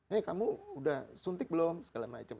hei kamu udah suntik belum segala macam